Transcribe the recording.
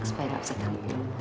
supaya nggak bersetengah